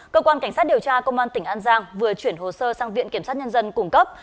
cơ quan cảnh sát điều tra công an tỉnh an giang vừa chuyển hồ sơ sang viện kiểm sát nhân dân cung cấp